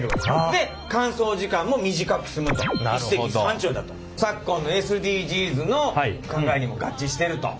で乾燥時間も短く済むと一石三鳥だと。昨今のＳＤＧｓの考えにも合致してると。